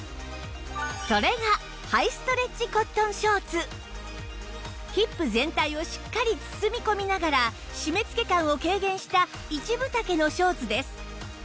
それがヒップ全体をしっかり包み込みながら締め付け感を軽減した１分丈のショーツです